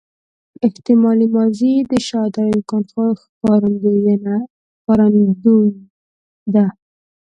احتمالي ماضي د شاید او امکان ښکارندوی ده.